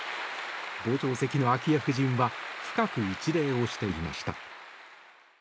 傍聴席の昭恵夫人は深く一礼をしていました。